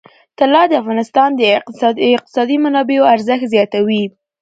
طلا د افغانستان د اقتصادي منابعو ارزښت زیاتوي.